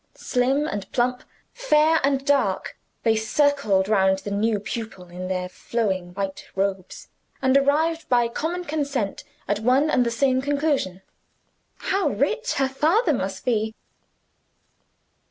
Slim and plump, fair and dark, they circled round the new pupil in their flowing white robes, and arrived by common consent at one and the same conclusion: "How rich her father must be!"